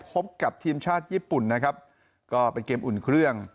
พบกับทีมชาติญี่ปุ่นนะครับก็เป็นเกมอุ่นเครื่อง